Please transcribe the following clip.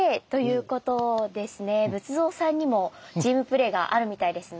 仏像さんにもチームプレーがあるみたいですね。